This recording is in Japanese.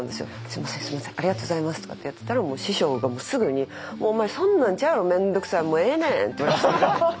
「すみませんすみませんありがとうございます」とかってやってたらもう師匠がすぐに「お前そんなんちゃうやろ面倒くさいもうええねん！」って言われまして。